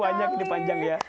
wanyak ini panjang ya